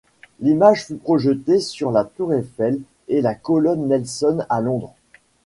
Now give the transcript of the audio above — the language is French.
L'image fut projetée sur la Tour Eiffel et la colonne Nelson à Londres.